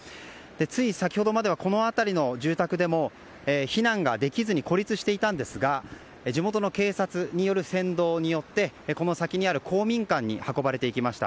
つい先ほどまではこの辺りの住宅でも避難ができずに孤立していたんですが地元の警察による先導によってこの先にある公民館に運ばれていきました。